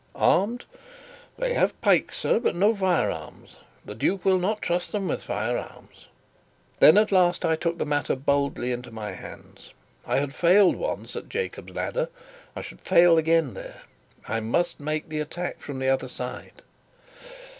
"Armed?" "They have pikes, sir, but no firearms. The duke will not trust them with firearms." Then at last I took the matter boldly in my hands. I had failed once at "Jacob's Ladder;" I should fail again there. I must make the attack from the other side.